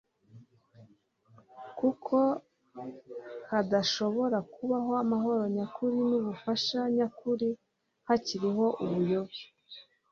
kuko hadashobora kubaho amahoro nyakuri n'ubufasha nyakuri hakiriho ubuyobe.